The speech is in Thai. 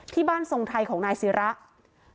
ที่บ้านทรงไทยของนายศิรา